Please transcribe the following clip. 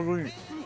はい。